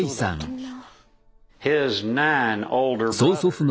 みんな。